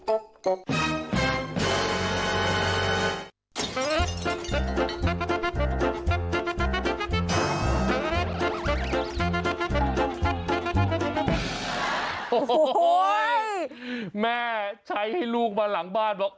โอ้โหแม่ใช้ให้ลูกมาหลังบ้านบอก